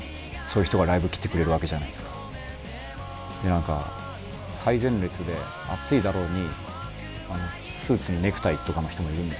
なんか最前列で暑いだろうにスーツにネクタイとかの人もいるんですよ。